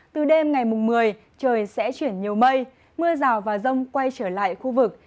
từ đêm ngày một mươi trời sẽ chuyển nhiều mây mưa rào và rông quay trở lại khu vực